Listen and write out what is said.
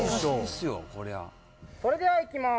それではいきます。